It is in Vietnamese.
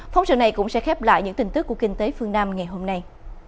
phóng sự này cũng sẽ khép lại những tin tức của kinh tế phương nam ngày hôm nay